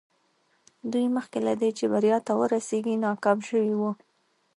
دوی مخکې له دې چې بريا ته ورسېږي ناکام شوي وو.